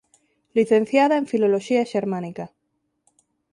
Licenciada en Filoloxía Xermánica.